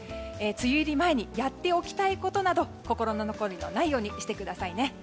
梅雨入り前にやっておきたいことなど心残りがないようにしてくださいね。